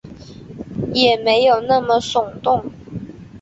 也没那么耸动